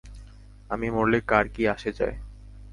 আমি মরলে কার কি আসে যায়?